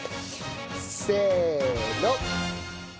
せーの。